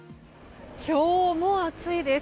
今日も暑いです。